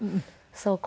そう。